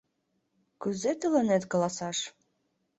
— Кузе тыланет каласаш?..